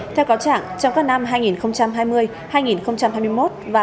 theo có trạng trong các năm hai nghìn hai mươi hai nghìn hai mươi một và hai nghìn hai mươi hai